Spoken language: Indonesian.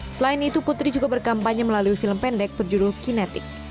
selain itu putri juga berkampanye melalui film pendek berjudul kinetik